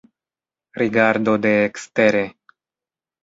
Rigardo de ekstere.